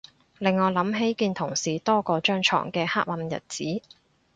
令我諗起見同事多過張牀嘅黑暗日子